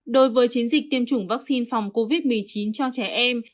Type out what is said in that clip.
đối với chiến dịch tiêm chủng vaccine phòng covid một mươi chín cho trẻ em